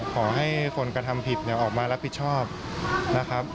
ขอให้คนกระทำผิดออกมารับผิดชอบนะครับ